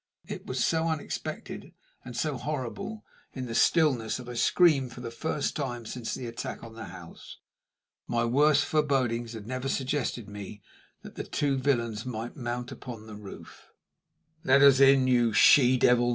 It was so unexpected and so horrible in the stillness that I screamed for the first time since the attack on the house. My worst forebodings had never suggested to me that the two villains might mount upon the roof. "Let us in, you she devil!"